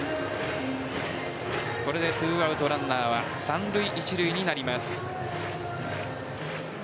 これで２アウトランナーは三塁・一塁になります。